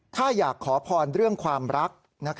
ถ้าอยากขอพรเรื่องความรัก